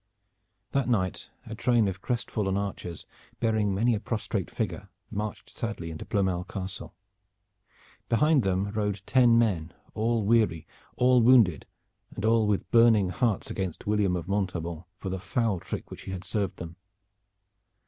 That night a train of crestfallen archers, bearing many a prostrate figure, marched sadly into Ploermel Castle. Behind them rode ten men, all weary, all wounded, and all with burning hearts against William of Montaubon for the foul trick that he had served them.